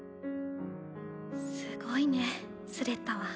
すごいねスレッタは。